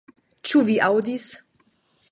Ĉu vi aŭdis